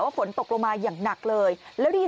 อำเภอไซน้อยจังหวัดนนทบุรี